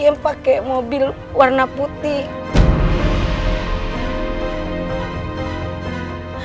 yang pakai mobil warna putih